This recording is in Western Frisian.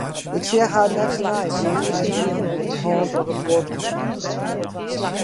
Ik seach harren efternei wylst hja hân yn hân troch de poarte giene.